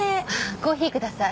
コーヒー下さい。